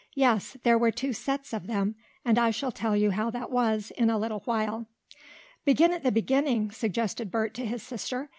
Yes, there were two "sets" of them, and I shall tell you how that was, in a little while. "Begin at the beginning," suggested Bert to his sister.